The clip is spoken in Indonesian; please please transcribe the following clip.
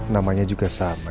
namanya juga sama